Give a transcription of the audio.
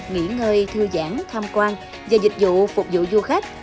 nghỉ ngơi thư giãn tham quan và dịch vụ phục vụ du khách